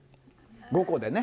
５個でね。